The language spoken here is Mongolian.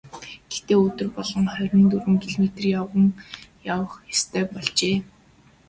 Гэхдээ өдөр болгон хорин дөрвөн километр явган явах ёстой болжээ.